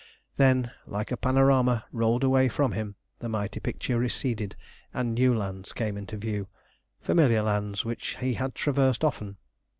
Then, like a panorama rolled away from him, the mighty picture receded and new lands came into view, familiar lands which he had traversed often.